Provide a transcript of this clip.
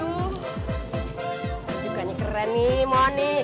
ini juga keren nih mon